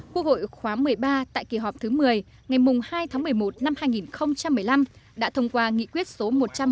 quốc hội khóa một mươi ba tại kỳ họp thứ một mươi ngày hai tháng một mươi một năm hai nghìn một mươi năm đã thông qua nghị quyết số một trăm năm mươi